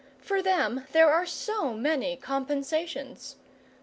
For them there are so many compensations.